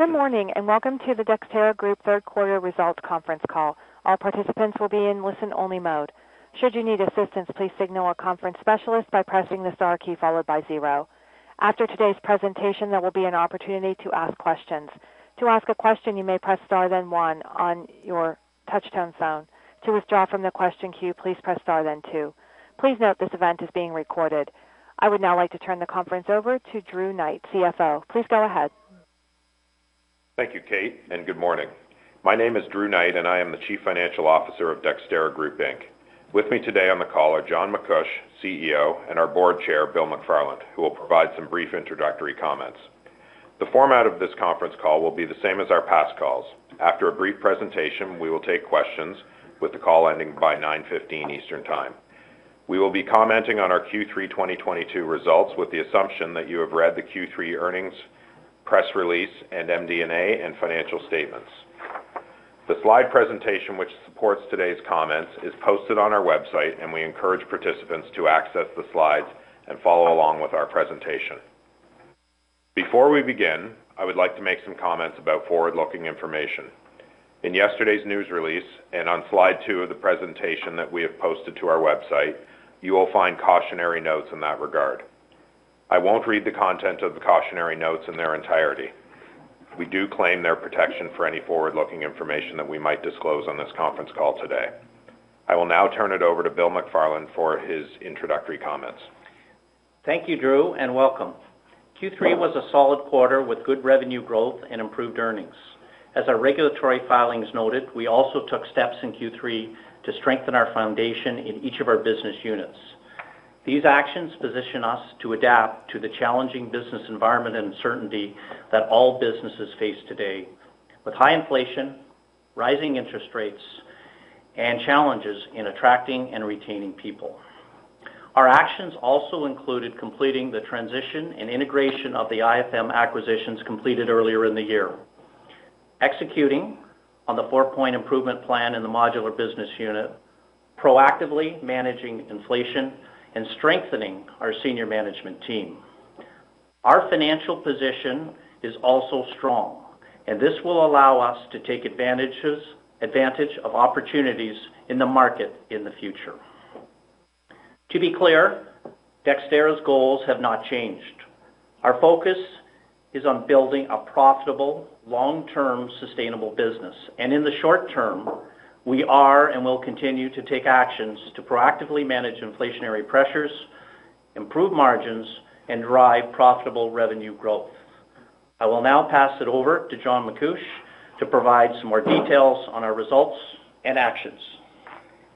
Good morning, and welcome to the Dexterra Group third quarter results conference call. All participants will be in listen-only mode. Should you need assistance, please signal our conference specialist by pressing the star key followed by zero. After today's presentation, there will be an opportunity to ask questions. To ask a question, you may press star then one on your touch-tone phone. To withdraw from the question queue, please press star then two. Please note this event is being recorded. I would now like to turn the conference over to Drew Knight, CFO. Please go ahead. Thank you, Kate, and good morning. My name is Drew Knight, and I am the Chief Financial Officer of Dexterra Group Inc. With me today on the call are John MacCuish, CEO, and our Board Chair, Bill McFarland, who will provide some brief introductory comments. The format of this conference call will be the same as our past calls. After a brief presentation, we will take questions, with the call ending by 9:15 A.M. Eastern Time. We will be commenting on our Q3 2022 results with the assumption that you have read the Q3 earnings, press release, and MD&A and financial statements. The slide presentation which supports today's comments is posted on our website, and we encourage participants to access the slides and follow along with our presentation. Before we begin, I would like to make some comments about forward-looking information. In yesterday's news release and on slide two of the presentation that we have posted to our website, you will find cautionary notes in that regard. I won't read the content of the cautionary notes in their entirety. We do claim their protection for any forward-looking information that we might disclose on this conference call today. I will now turn it over to Bill McFarland for his introductory comments. Thank you, Drew, and welcome. Q3 was a solid quarter with good revenue growth and improved earnings. As our regulatory filings noted, we also took steps in Q3 to strengthen our foundation in each of our business units. These actions position us to adapt to the challenging business environment and uncertainty that all businesses face today with high inflation, rising interest rates, and challenges in attracting and retaining people. Our actions also included completing the transition and integration of the IFM acquisitions completed earlier in the year, executing on the four-point improvement plan in the modular business unit, proactively managing inflation, and strengthening our senior management team. Our financial position is also strong, and this will allow us to take advantage of opportunities in the market in the future. To be clear, Dexterra's goals have not changed. Our focus is on building a profitable, long-term, sustainable business. In the short term, we are and will continue to take actions to proactively manage inflationary pressures, improve margins, and drive profitable revenue growth. I will now pass it over to John MacCuish to provide some more details on our results and actions.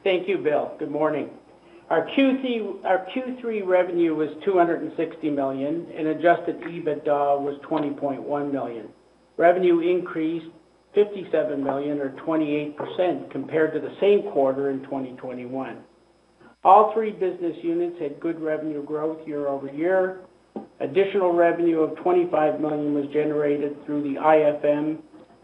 Thank you, Bill. Good morning. Our Q3 revenue was 260 million, and adjusted EBITDA was 20.1 million. Revenue increased 57 million or 28% compared to the same quarter in 2021. All three business units had good revenue growth year-over-year. Additional revenue of 25 million was generated through the IFM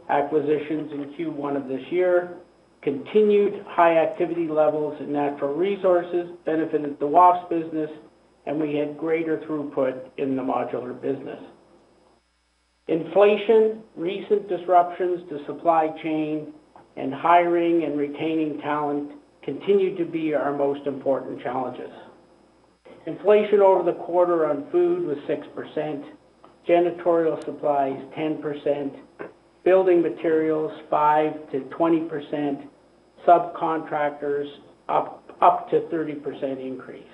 acquisitions in Q1 of this year. Continued high activity levels in natural resources benefited the WAFES business, and we had greater throughput in the modular business. Inflation, recent disruptions to supply chain, and hiring and retaining talent continue to be our most important challenges. Inflation over the quarter on food was 6%, janitorial supplies 10%, building materials 5%-20%, subcontractors up to 30% increase.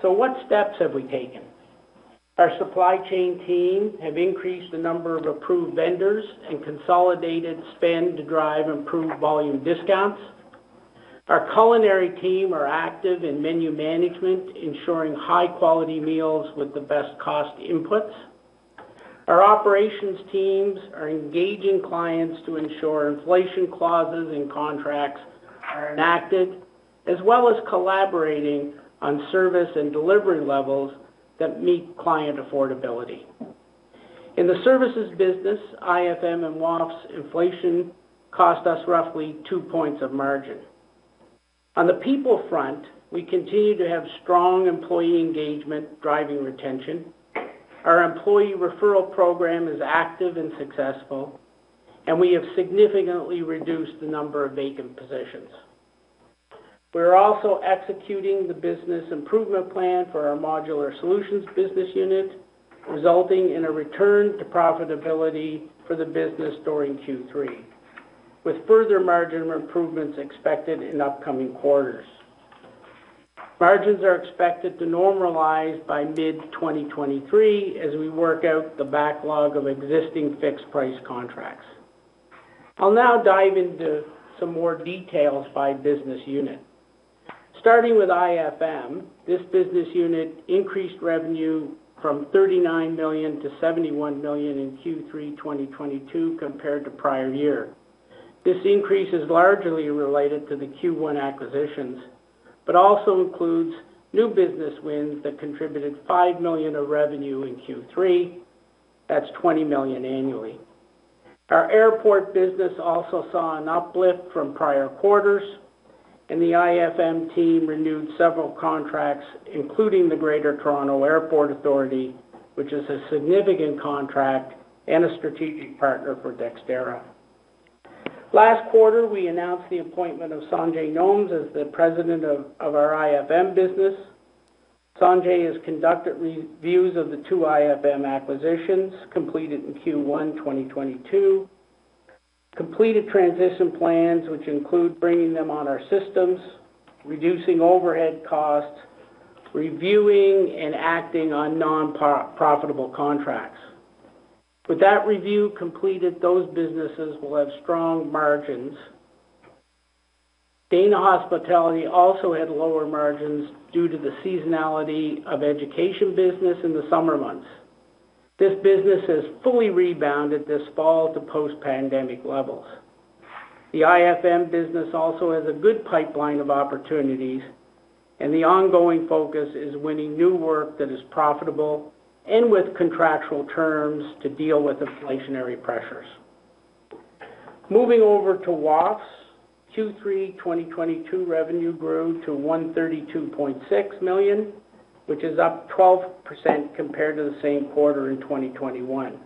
What steps have we taken? Our supply chain team have increased the number of approved vendors and consolidated spend to drive improved volume discounts. Our culinary team are active in menu management, ensuring high-quality meals with the best cost inputs. Our operations teams are engaging clients to ensure inflation clauses and contracts are enacted, as well as collaborating on service and delivery levels that meet client affordability. In the services business, IFM and WAFES's inflation cost us roughly 2 points of margin. On the people front, we continue to have strong employee engagement driving retention. Our employee referral program is active and successful, and we have significantly reduced the number of vacant positions. We are also executing the business improvement plan for our Modular Solutions business unit, resulting in a return to profitability for the business during Q3, with further margin improvements expected in upcoming quarters. Margins are expected to normalize by mid-2023 as we work out the backlog of existing fixed-price contracts. I'll now dive into some more details by business unit. Starting with IFM, this business unit increased revenue from 39 million to 71 million in Q3 2022 compared to prior year. This increase is largely related to the Q1 acquisitions but also includes new business wins that contributed 5 million of revenue in Q3. That's 20 million annually. Our airport business also saw an uplift from prior quarters, and the IFM team renewed several contracts, including the Greater Toronto Airports Authority, which is a significant contract and a strategic partner for Dexterra. Last quarter, we announced the appointment of Sanjay Gomes as the President of our IFM business. Sanjay has conducted reviews of the two IFM acquisitions completed in Q1 2022, completed transition plans, which include bringing them on our systems, reducing overhead costs, reviewing and acting on non-profitable contracts. With that review completed, those businesses will have strong margins. Dana Hospitality also had lower margins due to the seasonality of education business in the summer months. This business has fully rebounded this fall to post-pandemic levels. The IFM business also has a good pipeline of opportunities, and the ongoing focus is winning new work that is profitable and with contractual terms to deal with inflationary pressures. Moving over to WAFES. Q3 2022 revenue grew to 132.6 million, which is up 12% compared to the same quarter in 2021.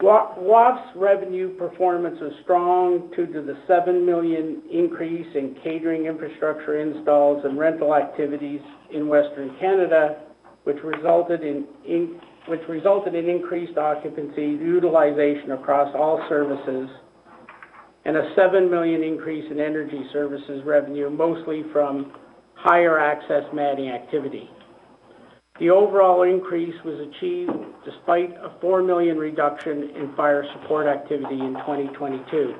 WAFES revenue performance was strong due to the 7 million increase in catering infrastructure installs and rental activities in Western Canada, which resulted in increased occupancy utilization across all services and a 7 million increase in energy services revenue, mostly from higher Access Matting activity. The overall increase was achieved despite a 4 million reduction in fire support activity in 2022.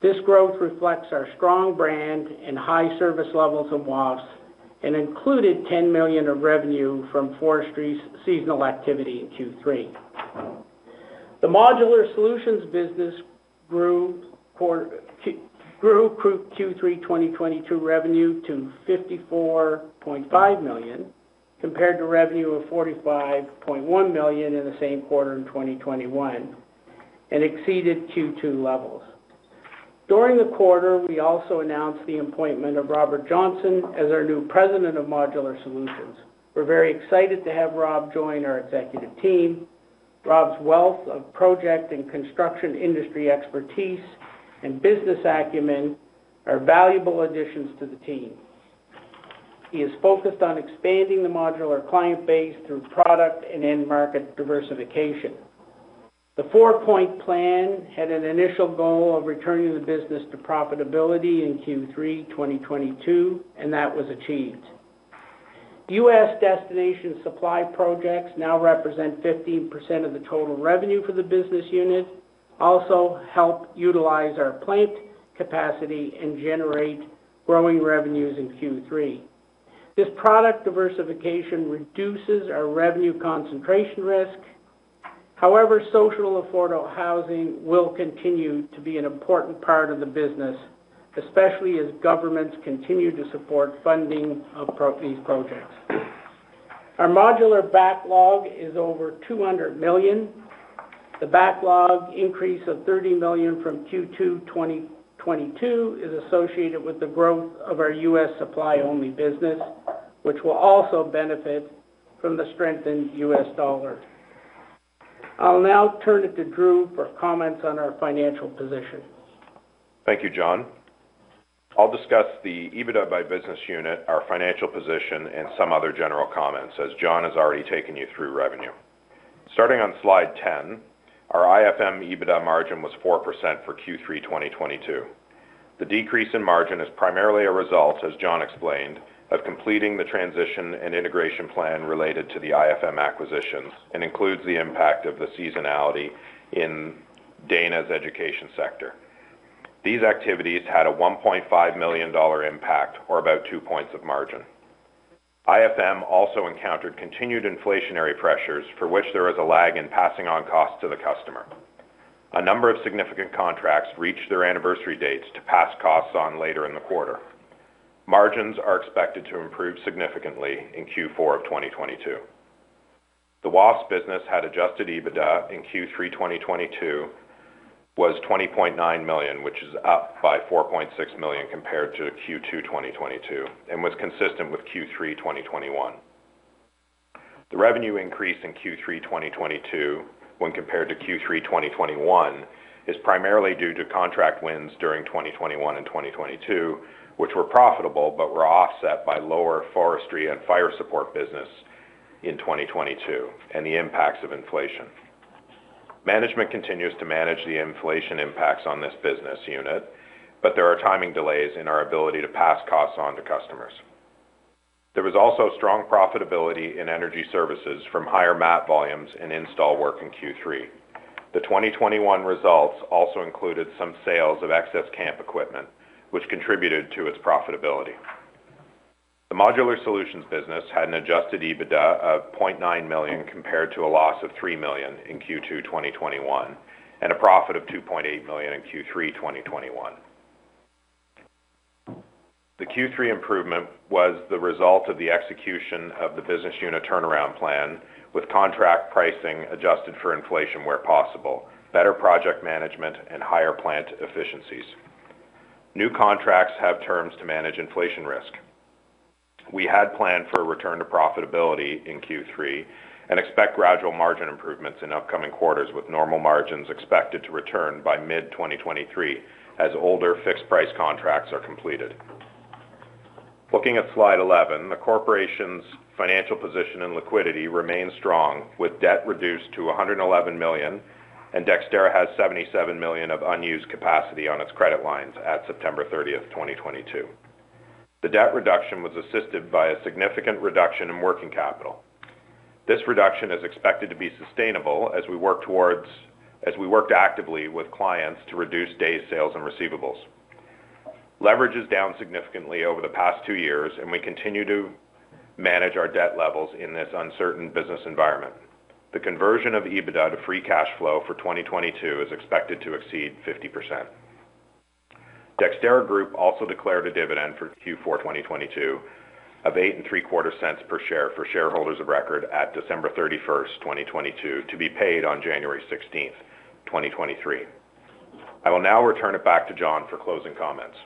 This growth reflects our strong brand and high service levels of WAFES and included 10 million of revenue from forestry's seasonal activity in Q3. The Modular Solutions business grew Q3 2022 revenue to 54.5 million, compared to revenue of 45.1 million in the same quarter in 2021, and exceeded Q2 levels. During the quarter, we also announced the appointment of Robert Johnston as our new President of Modular Solutions. We're very excited to have Rob join our executive team. Rob's wealth of project and construction industry expertise and business acumen are valuable additions to the team. He is focused on expanding the modular client base through product and end market diversification. The four-point plan had an initial goal of returning the business to profitability in Q3 2022, and that was achieved. U.S. destination supply projects now represent 15% of the total revenue for the business unit also help utilize our plant capacity and generate growing revenues in Q3. This product diversification reduces our revenue concentration risk. However, social affordable housing will continue to be an important part of the business, especially as governments continue to support funding of these projects. Our modular backlog is over 200 million. The backlog increase of 30 million from Q2 2022 is associated with the growth of our U.S. supply-only business, which will also benefit from the strengthened U.S. dollar. I'll now turn it to Drew for comments on our financial position. Thank you, John. I'll discuss the EBITDA by business unit, our financial position, and some other general comments, as John has already taken you through revenue. Starting on slide 10, our IFM EBITDA margin was 4% for Q3 2022. The decrease in margin is primarily a result, as John explained, of completing the transition and integration plan related to the IFM acquisitions and includes the impact of the seasonality in Dana's education sector. These activities had a 1.5 million dollar impact or about 2 points of margin. IFM also encountered continued inflationary pressures for which there is a lag in passing on costs to the customer. A number of significant contracts reached their anniversary dates to pass costs on later in the quarter. Margins are expected to improve significantly in Q4 of 2022. The WAFES business had adjusted EBITDA in Q3 2022 was 20.9 million, which is up by 4.6 million compared to Q2 2022, and was consistent with Q3 2021. The revenue increase in Q3 2022 when compared to Q3 2021 is primarily due to contract wins during 2021 and 2022, which were profitable but were offset by lower forestry and fire support business in 2022 and the impacts of inflation. Management continues to manage the inflation impacts on this business unit, but there are timing delays in our ability to pass costs on to customers. There was also strong profitability in energy services from higher mat volumes and install work in Q3. The 2021 results also included some sales of excess camp equipment, which contributed to its profitability. The Modular Solutions business had an adjusted EBITDA of 0.9 million compared to a loss of 3 million in Q2 2021, and a profit of 2.8 million in Q3 2021. The Q3 improvement was the result of the execution of the business unit turnaround plan with contract pricing adjusted for inflation where possible, better project management and higher plant efficiencies. New contracts have terms to manage inflation risk. We had planned for a return to profitability in Q3 and expect gradual margin improvements in upcoming quarters, with normal margins expected to return by mid-2023 as older fixed-price contracts are completed. Looking at slide 11, the corporation's financial position and liquidity remain strong, with debt reduced to 111 million, and Dexterra has 77 million of unused capacity on its credit lines at September 30th, 2022. The debt reduction was assisted by a significant reduction in working capital. This reduction is expected to be sustainable as we worked actively with clients to reduce days sales in receivables. Leverage is down significantly over the past two years, and we continue to manage our debt levels in this uncertain business environment. The conversion of EBITDA to free cash flow for 2022 is expected to exceed 50%. Dexterra Group also declared a dividend for Q4 2022 of 0.0875 per share for shareholders of record at December 31st, 2022, to be paid on January 16th, 2023. I will now return it back to John for closing comments.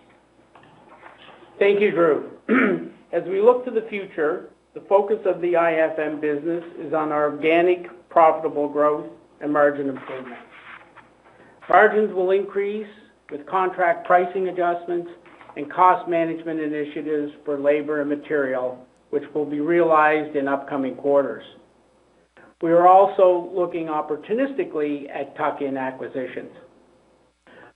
Thank you, Drew. As we look to the future, the focus of the IFM business is on our organic, profitable growth and margin improvements. Margins will increase with contract pricing adjustments and cost management initiatives for labor and material, which will be realized in upcoming quarters. We are also looking opportunistically at tuck-in acquisitions.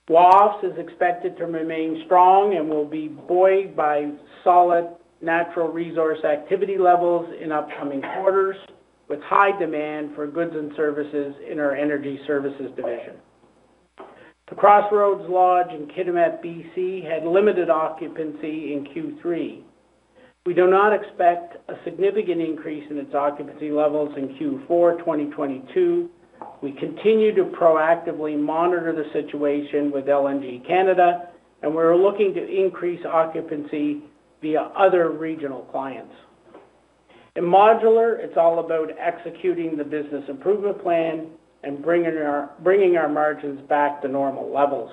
WAFES is expected to remain strong and will be buoyed by solid natural resource activity levels in upcoming quarters, with high demand for goods and services in our energy services division. The Crossroads Lodge in Kitimat, BC, had limited occupancy in Q3. We do not expect a significant increase in its occupancy levels in Q4 2022. We continue to proactively monitor the situation with LNG Canada, and we're looking to increase occupancy via other regional clients. In Modular, it's all about executing the business improvement plan and bringing our margins back to normal levels.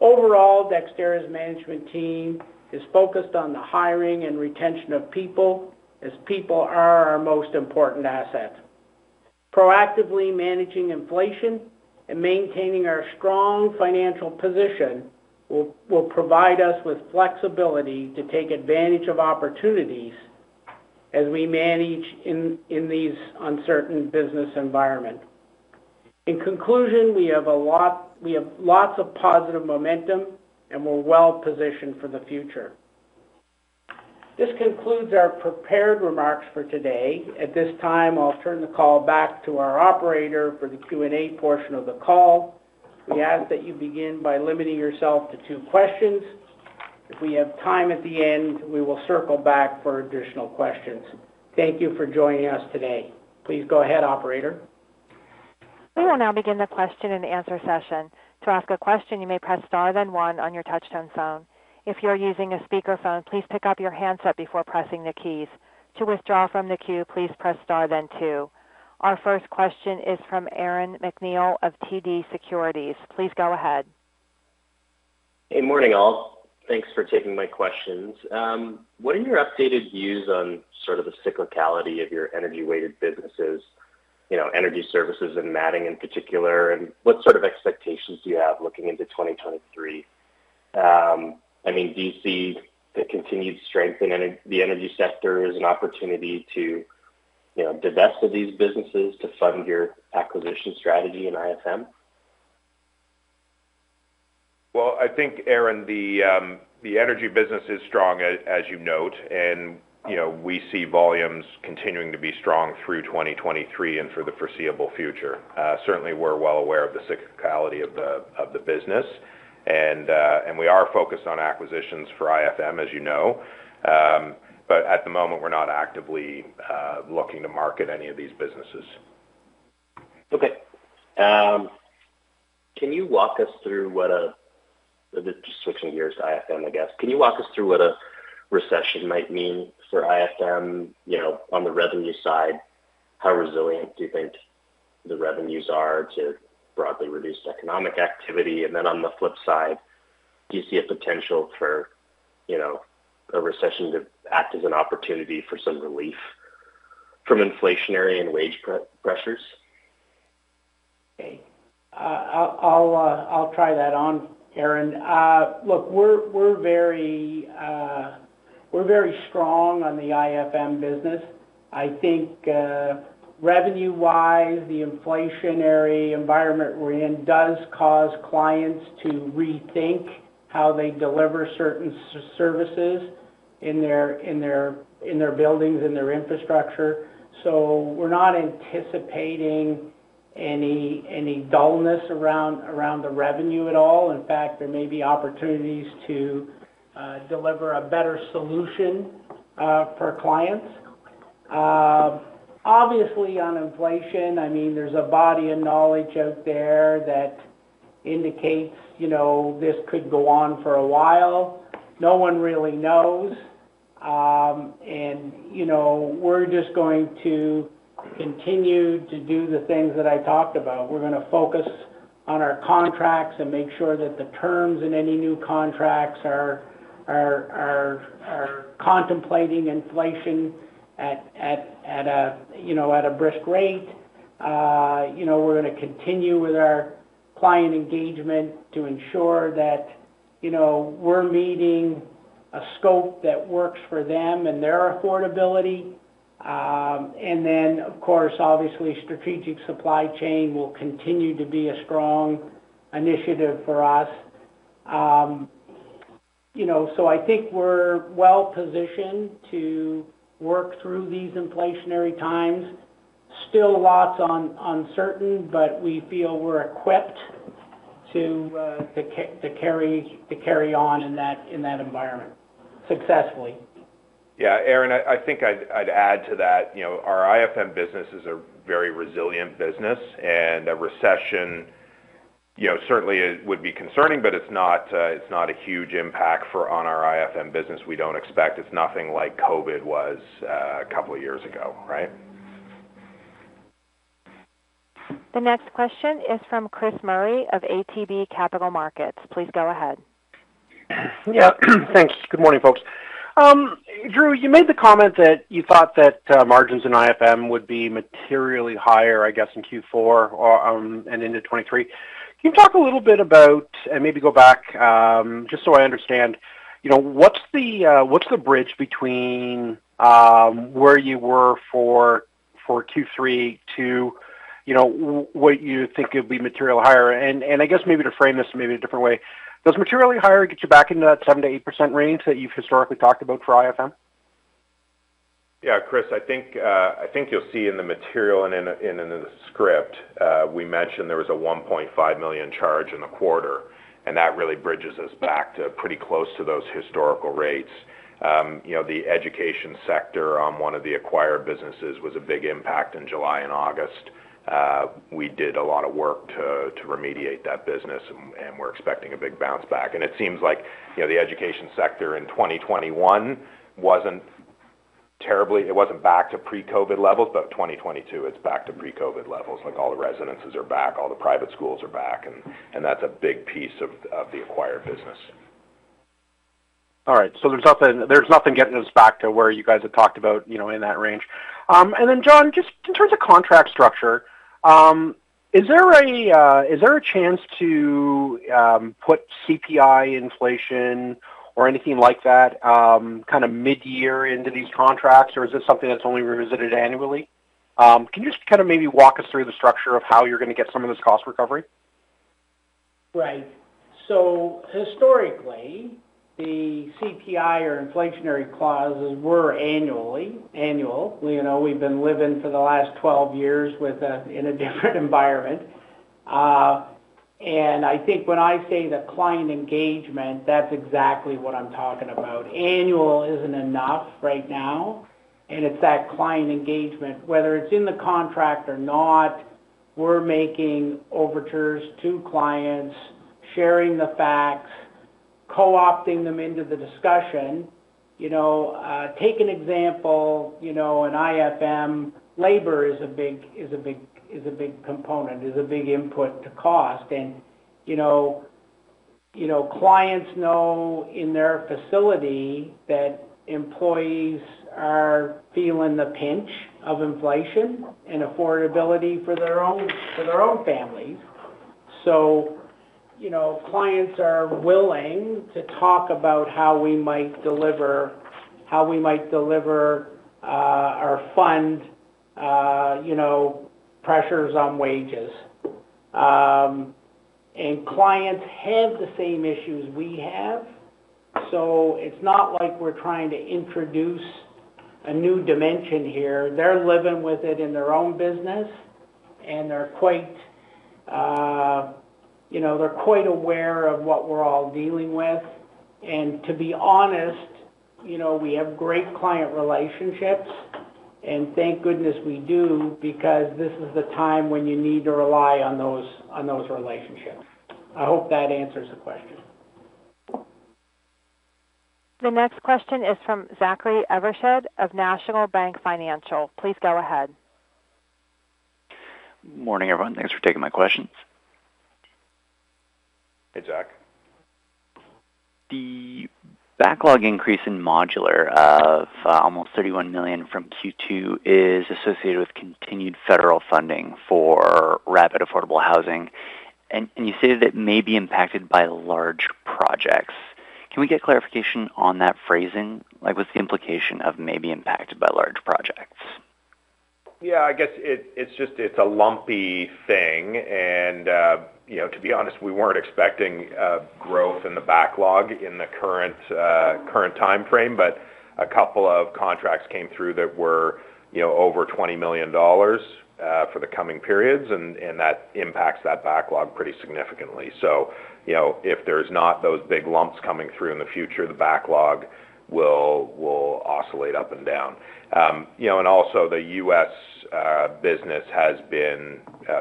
Overall, Dexterra's management team is focused on the hiring and retention of people, as people are our most important asset. Proactively managing inflation and maintaining our strong financial position will provide us with flexibility to take advantage of opportunities as we manage in these uncertain business environment. In conclusion, we have lots of positive momentum, and we're well positioned for the future. This concludes our prepared remarks for today. At this time, I'll turn the call back to our operator for the Q&A portion of the call. We ask that you begin by limiting yourself to two questions. If we have time at the end, we will circle back for additional questions. Thank you for joining us today. Please go ahead, operator. We will now begin the question and answer session. To ask a question, you may press star then one on your touch-tone phone. If you're using a speaker phone, please pick up your handset before pressing the keys. To withdraw from the queue, please press star then two. Our first question is from Aaron MacNeil of TD Cowen. Please go ahead. Hey, morning all. Thanks for taking my questions. What are your updated views on sort of the cyclicality of your energy-weighted businesses, you know, energy services and matting in particular? What sort of expectations do you have looking into 2023? I mean, do you see the continued strength in the energy sector as an opportunity to, you know, divest of these businesses to fund your acquisition strategy in IFM? Well, I think, Aaron, the energy business is strong as you note. You know, we see volumes continuing to be strong through 2023 and for the foreseeable future. Certainly, we're well aware of the cyclicality of the business, and we are focused on acquisitions for IFM, as you know. But at the moment, we're not actively looking to market any of these businesses. Just switching gears to IFM, I guess. Can you walk us through what a recession might mean for IFM, you know, on the revenue side? How resilient do you think the revenues are to broadly reduced economic activity? On the flip side, do you see a potential for, you know, a recession to act as an opportunity for some relief from inflationary and wage pressures? Okay, I'll try that on, Aaron. Look, we're very strong on the IFM business. I think, revenue-wise, the inflationary environment we're in does cause clients to rethink how they deliver certain services in their buildings, in their infrastructure. We're not anticipating any dullness around the revenue at all. In fact, there may be opportunities to deliver a better solution for clients. Obviously on inflation, I mean, there's a body of knowledge out there that indicates, you know, this could go on for a while. No one really knows. You know, we're just going to continue to do the things that I talked about. We're gonna focus on our contracts and make sure that the terms in any new contracts are contemplating inflation at a, you know, at a brisk rate. You know, we're gonna continue with our client engagement to ensure that, you know, we're meeting a scope that works for them and their affordability. Of course, obviously, strategic supply chain will continue to be a strong initiative for us. You know, I think we're well-positioned to work through these inflationary times. Still lots of uncertainty, but we feel we're equipped to carry on in that environment successfully. Yeah. Aaron, I think I'd add to that. You know, our IFM business is a very resilient business, and a recession, you know, certainly would be concerning, but it's not a huge impact on our IFM business. We don't expect. It's nothing like COVID was, a couple years ago, right? The next question is from Chris Murray of ATB Capital Markets. Please go ahead. Yeah. Thanks. Good morning, folks. Drew, you made the comment that you thought that margins in IFM would be materially higher, I guess, in Q4 or and into 2023. Can you talk a little bit about, and maybe go back just so I understand, you know, what's the bridge between where you were for Q3 to, you know, what you think it would be materially higher? And I guess maybe to frame this maybe a different way, does materially higher get you back into that 7%-8% range that you've historically talked about for IFM? Yeah. Chris, I think you'll see in the material and in the script, we mentioned there was a 1.5 million charge in the quarter, and that really bridges us back to pretty close to those historical rates. You know, the education sector, one of the acquired businesses was a big impact in July and August. We did a lot of work to remediate that business and we're expecting a big bounce back. It seems like, you know, the education sector in 2021 wasn't back to pre-COVID levels, but 2022, it's back to pre-COVID levels, like all the residences are back, all the private schools are back, and that's a big piece of the acquired business. All right. There's nothing getting us back to where you guys had talked about, you know, in that range. John, just in terms of contract structure, is there a chance to put CPI inflation or anything like that, kinda mid-year into these contracts, or is this something that's only revisited annually? Can you just kinda maybe walk us through the structure of how you're gonna get some of this cost recovery? Right. Historically, the CPI or inflationary clauses were annually. You know, we've been living for the last 12 years in a different environment. I think when I say the client engagement, that's exactly what I'm talking about. Annual isn't enough right now, and it's that client engagement, whether it's in the contract or not, we're making overtures to clients, sharing the facts, co-opting them into the discussion. You know, take an example, you know, in IFM, labor is a big component, a big input to cost. You know, clients know in their facility that employees are feeling the pinch of inflation and affordability for their own families. You know, clients are willing to talk about how we might deliver our fund, you know, pressures on wages. Clients have the same issues we have, so it's not like we're trying to introduce a new dimension here. They're living with it in their own business, and they're quite, you know, aware of what we're all dealing with. To be honest, you know, we have great client relationships, and thank goodness we do because this is the time when you need to rely on those relationships. I hope that answers the question. The next question is from Zachary Evershed of National Bank Financial. Please go ahead. Morning, everyone. Thanks for taking my questions. Hey, Zach. The backlog increase in Modular of almost 31 million from Q2 is associated with continued federal funding for rapid affordable housing. You say that may be impacted by large projects. Can we get clarification on that phrasing? Like, what's the implication of may be impacted by large projects? Yeah, I guess it's just a lumpy thing. You know, to be honest, we weren't expecting growth in the backlog in the current timeframe, but a couple of contracts came through that were, you know, over 20 million dollars for the coming periods, and that impacts that backlog pretty significantly. You know, if there's not those big lumps coming through in the future, the backlog will oscillate up and down. You know, and also the U.S. business has been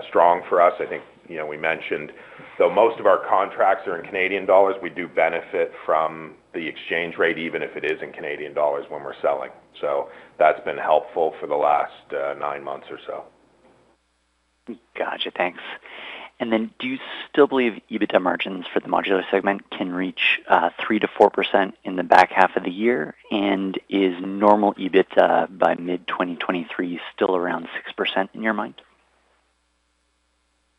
strong for us. I think, you know, we mentioned, though most of our contracts are in Canadian dollars, we do benefit from the exchange rate, even if it is in Canadian dollars when we're selling. That's been helpful for the last nine months or so. Got you. Thanks. Do you still believe EBITDA margins for the modular segment can reach 3%-4% in the back half of the year? Is normalized EBITDA by mid-2023 still around 6% in your mind?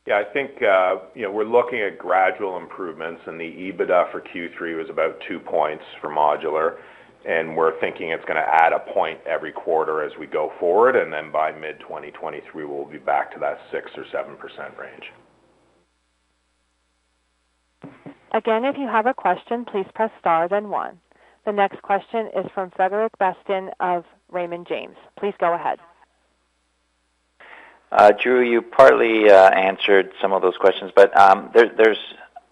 Yeah, I think, we're looking at gradual improvements, and the EBITDA for Q3 was about 2 points for modular, and we're thinking it's gonna add 1 point every quarter as we go forward, and then by mid-2023, we'll be back to that 6%-7% range. Again, if you have a question, please press star then one. The next question is from Frederic Bastien of Raymond James. Please go ahead. Drew, you partly answered some of those questions, but there's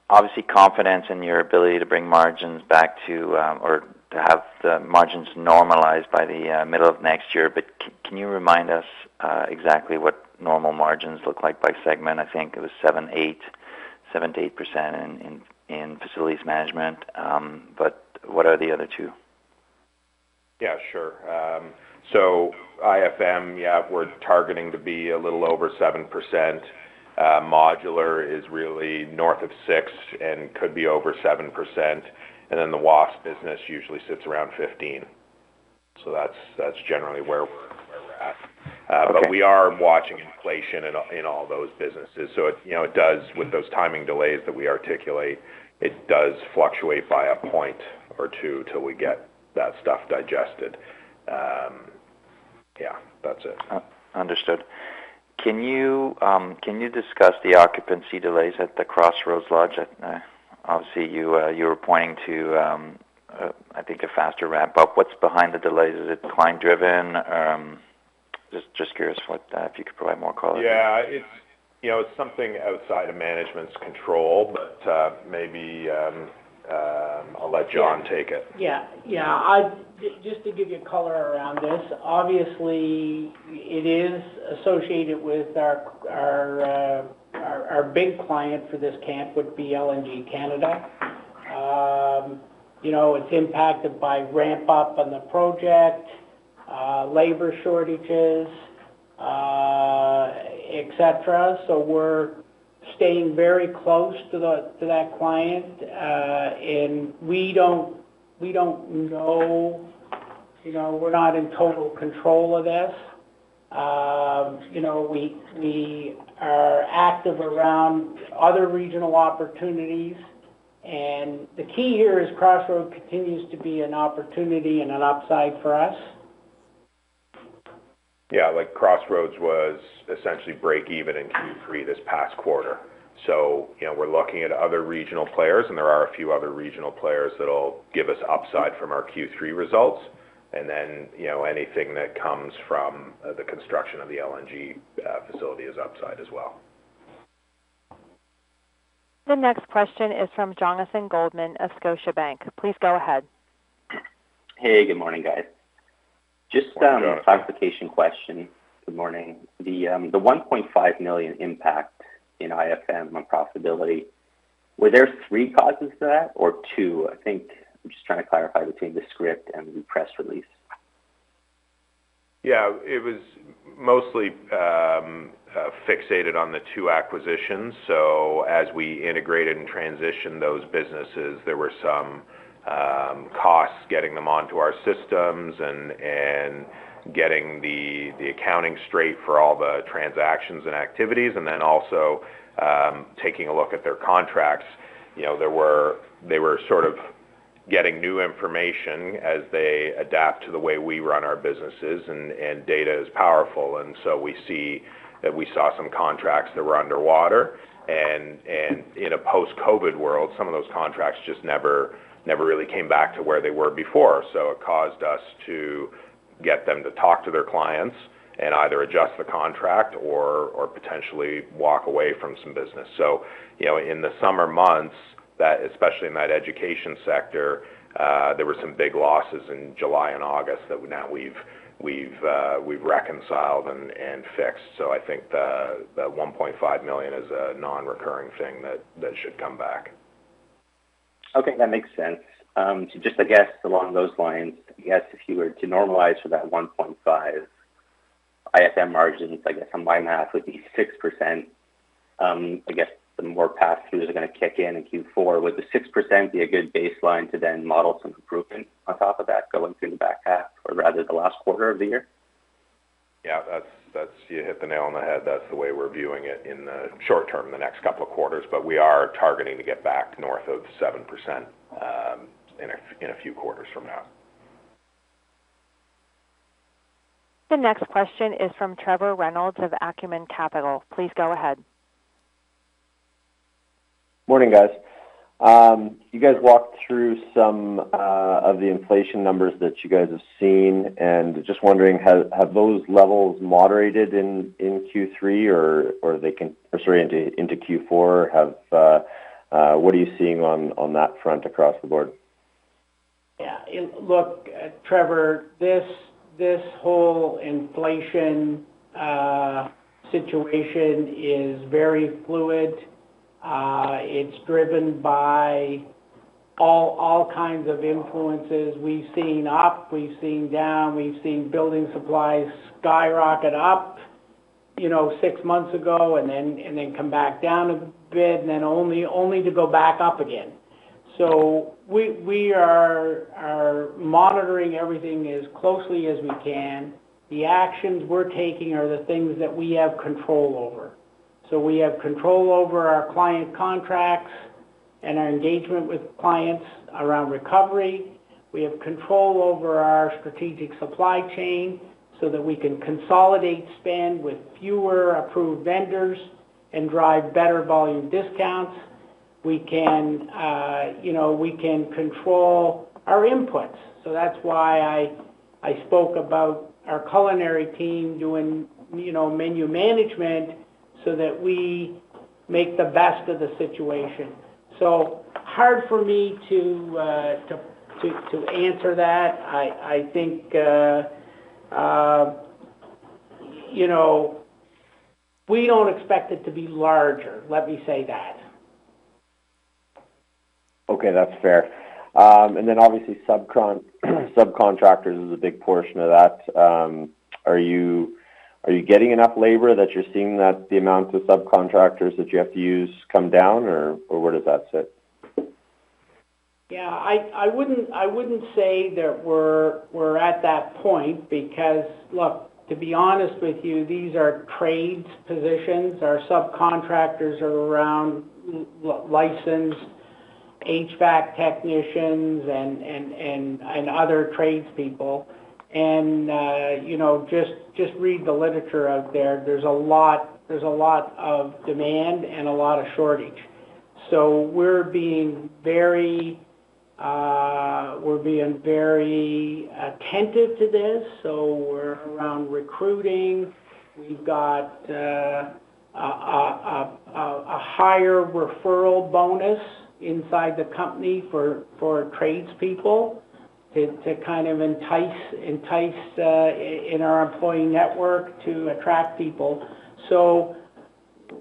obviously confidence in your ability to bring margins back to or to have the margins normalized by the middle of next year. Can you remind us exactly what normal margins look like by segment? I think it was 7%-8% in facilities management. What are the other two? Yeah, sure. IFM, yeah, we're targeting to be a little over 7%. Modular is really north of 6% and could be over 7%. Then the WAFES business usually sits around 15%. That's generally where we're at. Okay. We are watching inflation in all those businesses. It, you know, it does with those timing delays that we articulate, it does fluctuate by a point or two till we get that stuff digested. That's it. Understood. Can you discuss the occupancy delays at the Crossroads Lodge? Obviously, you were pointing to, I think, a faster ramp up. What's behind the delays? Is it client driven? Just curious what if you could provide more color. Yeah. It's, you know, something outside of management's control, but maybe I'll let John take it. Yeah. Yeah. I just to give you color around this, obviously it is associated with our big client for this camp would be LNG Canada. You know, it's impacted by ramp up on the project, labor shortages, et cetera. We're staying very close to that client. We don't know, you know, we're not in total control of this. You know, we are active around other regional opportunities. The key here is Crossroads continues to be an opportunity and an upside for us. Yeah. Like, Crossroads was essentially break even in Q3 this past quarter. You know, we're looking at other regional players, and there are a few other regional players that'll give us upside from our Q3 results. You know, anything that comes from the construction of the LNG facility is upside as well. The next question is from Jonathan Goldman of Scotiabank. Please go ahead. Hey, good morning, guys. Morning, John. Just a clarification question. Good morning. The 1.5 million impact in IFM on profitability, were there three causes to that or two? I think I'm just trying to clarify between the script and the press release. Yeah. It was mostly fixated on the two acquisitions. As we integrated and transitioned those businesses, there were some costs getting them onto our systems and getting the accounting straight for all the transactions and activities, and then also taking a look at their contracts. You know, they were sort of getting new information as they adapt to the way we run our businesses, and data is powerful. We see that we saw some contracts that were underwater. In a post-COVID world, some of those contracts just never really came back to where they were before. It caused us to get them to talk to their clients and either adjust the contract or potentially walk away from some business. You know, in the summer months, especially in that education sector, there were some big losses in July and August that now we've reconciled and fixed. I think the 1.5 million is a non-recurring thing that should come back. Okay, that makes sense. Just I guess along those lines, I guess if you were to normalize for that 1.5 IFM margins, I guess from my math would be 6%. I guess some more pass-throughs are gonna kick in in Q4. Would the 6% be a good baseline to then model some improvement on top of that going through the back half or rather the last quarter of the year? Yeah, you hit the nail on the head. That's the way we're viewing it in the short term, in the next couple of quarters, but we are targeting to get back north of 7%, in a few quarters from now. The next question is from Trevor Reynolds of Acumen Capital Partners. Please go ahead. Morning, guys. You guys walked through some of the inflation numbers that you guys have seen, and just wondering, have those levels moderated in Q3 or into Q4? What are you seeing on that front across the board? Yeah. Look, Trevor, this whole inflation situation is very fluid. It's driven by all kinds of influences. We've seen up, we've seen down, we've seen building supplies skyrocket up, you know, six months ago and then come back down a bit and then only to go back up again. We are monitoring everything as closely as we can. The actions we're taking are the things that we have control over. We have control over our client contracts and our engagement with clients around recovery. We have control over our strategic supply chain so that we can consolidate spend with fewer approved vendors and drive better volume discounts. We can, you know, control our inputs. That's why I spoke about our culinary team doing, you know, menu management so that we make the best of the situation. Hard for me to answer that. I think, you know, we don't expect it to be larger. Let me say that. Okay. That's fair. Obviously subcontractors is a big portion of that. Are you getting enough labor that you're seeing that the amount of subcontractors that you have to use come down or where does that sit? Yeah, I wouldn't say that we're at that point because look, to be honest with you, these are trades positions. Our subcontractors are licensed HVAC technicians and other tradespeople. You know, just read the literature out there. There's a lot of demand and a lot of shortage. We're being very attentive to this. We're actively recruiting. We've got a higher referral bonus inside the company for tradespeople to kind of entice our employee network to attract people.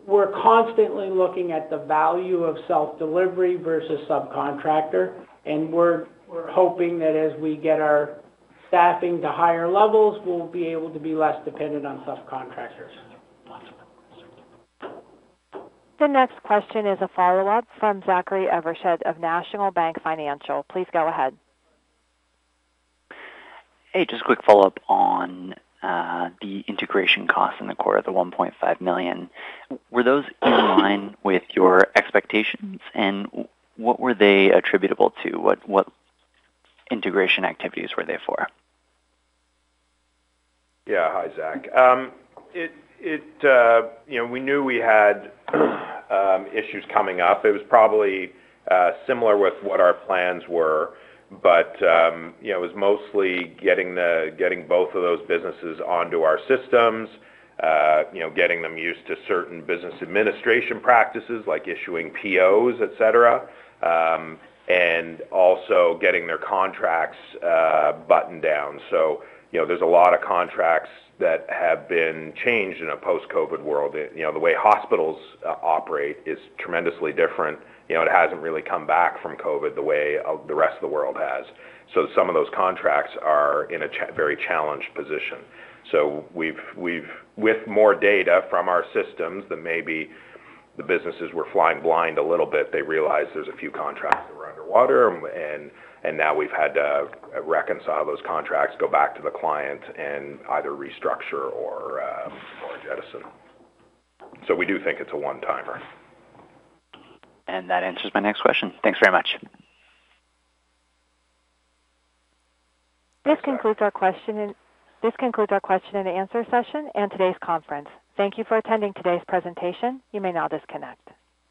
We're constantly looking at the value of self-delivery versus subcontractor. We're hoping that as we get our staffing to higher levels, we'll be able to be less dependent on subcontractors. The next question is a follow-up from Zachary Evershed of National Bank Financial. Please go ahead. Hey, just a quick follow-up on the integration costs in the quarter, the 1.5 million. Were those in line with your expectations, and what were they attributable to? What integration activities were they for? Yeah. Hi, Zach. You know, we knew we had issues coming up. It was probably similar with what our plans were, but you know, it was mostly getting both of those businesses onto our systems, you know, getting them used to certain business administration practices like issuing POs, et cetera, and also getting their contracts buttoned down. You know, there's a lot of contracts that have been changed in a post-COVID world. You know, the way hospitals operate is tremendously different. You know, it hasn't really come back from COVID the way the rest of the world has. Some of those contracts are in a very challenged position. We've more data from our systems than maybe the businesses were flying blind a little bit. They realized there's a few contracts that were underwater, and now we've had to reconcile those contracts, go back to the client, and either restructure or jettison. We do think it's a one-timer. That answers my next question. Thanks very much. This concludes our question and answer session and today's conference. Thank you for attending today's presentation. You may now disconnect.